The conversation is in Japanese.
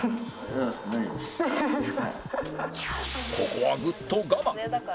ここはグッと我慢！